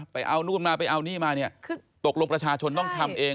เอานู่นมาไปเอานี่มาเนี่ยตกลงประชาชนต้องทำเอง